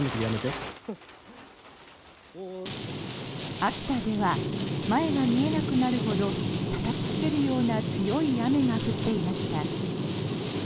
秋田では前が見えなくなるほどたたきつけるような強い雨が降っていました。